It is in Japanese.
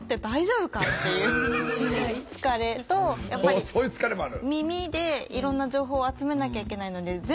おそういう疲れもある。